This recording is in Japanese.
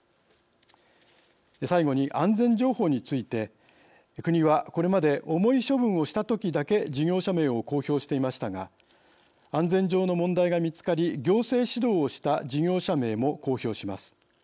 最後に安全情報について国はこれまで重い処分をしたときだけ事業者名を公表していましたが安全上の問題が見つかり行政指導をした事業者名も公表します。